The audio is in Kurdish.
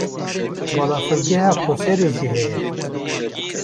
Balafirgeha Qoserê jî heye.